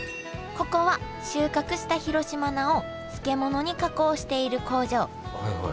ここは収穫した広島菜を漬物に加工している工場。